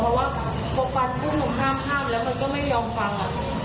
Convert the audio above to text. เพราะว่าพอฟันปุ๊บหนูห้ามแล้วมันก็ไม่ยอมฟัง